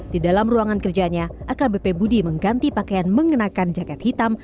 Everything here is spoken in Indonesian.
di dalam ruangan kerjanya akbp budi mengganti pakaian mengenakan jaket hitam